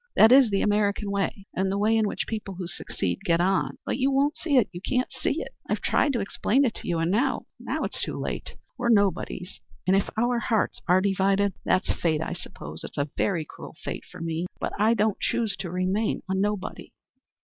That is the American way, and the way in which people who succeed get on. But you won't see it you can't see it. I've tried to explain it to you, and now now it's too late. We're nobodies, and, if our hearts are divided, that's fate I suppose. It's a very cruel fate for me. But I don't choose to remain a nobody."